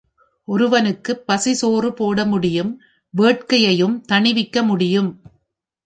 ஒருவனுக்குப் பசி சோறு போடமுடியும் வேட்கையையும் தணிவிக்க முடியும்.